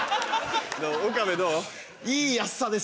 岡部どう？